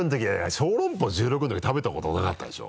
小籠包１６のとき食べたことなかったでしょ？